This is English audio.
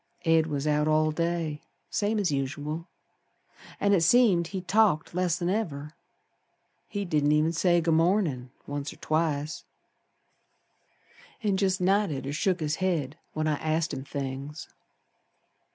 Ed was out all day Same as usual. An' it seemed he talked less'n ever. He didn't even say 'Good mornin'', once or twice, An' jest nodded or shook his head when I asked him things.